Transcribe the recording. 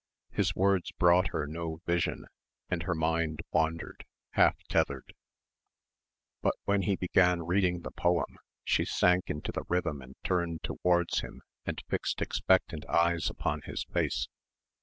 His words brought her no vision and her mind wandered, half tethered. But when he began reading the poem she sank into the rhythm and turned towards him and fixed expectant eyes upon his face.